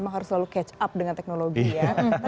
memang harus selalu catch up dengan teknologi ya